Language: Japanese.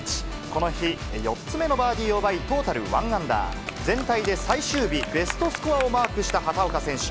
この日、４つ目のバーディーを奪い、トータル１アンダー、全体で最終日、ベストスコアをマークした畑岡選手。